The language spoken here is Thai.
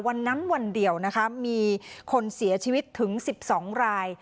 วันนั้นวันเดียวนะคะมีคนเสียชีวิตถึง๑๒ราย